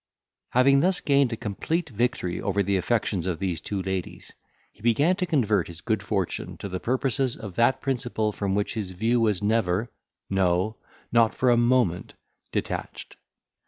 Having thus gained a complete victory over the affections of these two ladies, he began to convert his good fortune to the purposes of that principle, from which his view was never, no, not for a moment, detached.